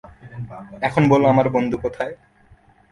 এখন বল আমার বন্ধু কোথায়?